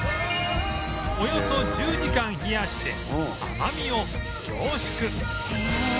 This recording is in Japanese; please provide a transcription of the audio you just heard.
およそ１０時間冷やして甘みを凝縮